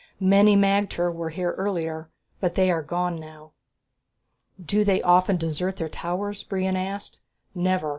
"Many magter were here earlier, but they are gone now." "Do they often desert their towers?" Brion asked. "Never.